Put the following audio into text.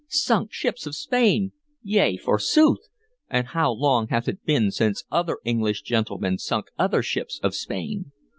Sunk ships of Spain! Yea, forsooth; and how long hath it been since other English gentlemen sunk other ships of Spain?